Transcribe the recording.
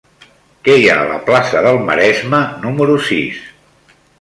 Què hi ha a la plaça del Maresme número sis?